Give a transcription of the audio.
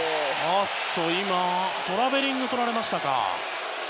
トラベリングをとられましたか。